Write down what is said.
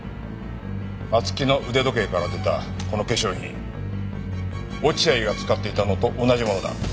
松木の腕時計から出たこの化粧品落合が使っていたのと同じものだ。